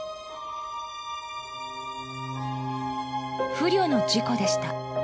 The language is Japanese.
［不慮の事故でした］